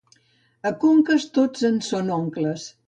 A Conques tots em són oncles.